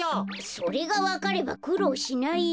それがわかればくろうしないよ。